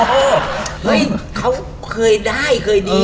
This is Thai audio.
เฮ้ยเขาเคยได้เคยดี